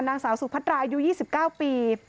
นางสาวสุภัตรายู๒๙ปี